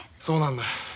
そうなんだ。